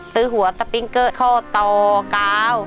ซื้อหัวสปิงเกอร์เข้าต่อกาว